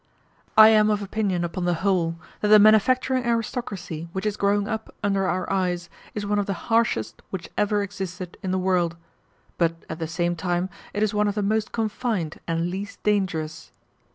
I am of opinion, upon the whole, that the manufacturing aristocracy which is growing up under our eyes is one of the harshest which ever existed in the world; but at the same time it is one of the most confined and least dangerous.